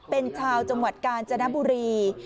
เป็นชาวจังหวัดกาญจนบุรี